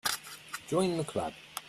Join the Club.